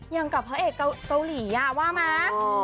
อย่างกับพระเอกเกาหลีว่าไหม